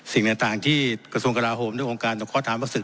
สิ่งต่างที่กระทรวงกราโหมด้วยองค์การต่อข้อถามว่าศึก